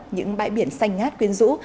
những bãi biển xanh ngát quyến rũ